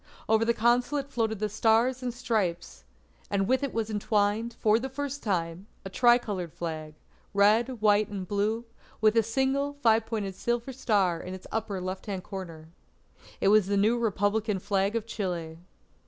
Over the Consulate floated the Stars and Stripes, and with it was entwined, for the first time, a tri coloured flag, red, white, and blue, with a single five pointed silver star in its upper left hand corner. It was the new Republican Flag of Chile.